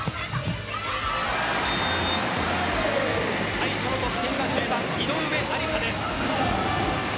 最初の得点は１０番、井上愛里沙です。